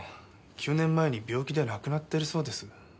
９年前に病気で亡くなってるそうです。